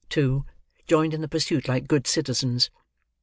too, joined in the pursuit like good citizens.